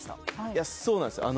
いやそうなんす